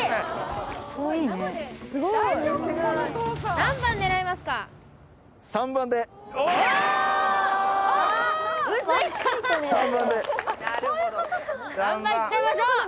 ３番で３番いっちゃいましょう！